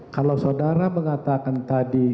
kalau saudara mengatakan tadi